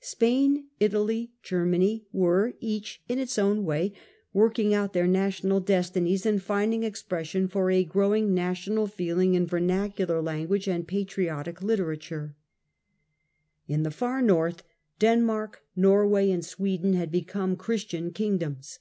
Spain, Italy, Germany were, each in its own way, working out their national destinies and finding expression for a growing national feeling in vernacular language and patriotic literature. 251 252 THE CENTRAL PERIOD OF THE MIDDLE AGE In the far north, Denmark, Norway and Sweden had become Christian kingdoms.